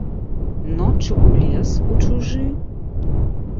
Ноччу ў лес у чужы?